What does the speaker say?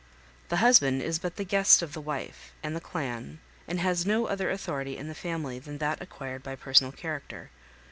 The husband is but the guest of the wife and the clan, and has no other authority in the family than that acquired by personal character.